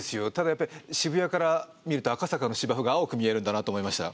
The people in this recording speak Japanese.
やっぱり渋谷から見ると赤坂の芝生が青く見えるんだなと思いました。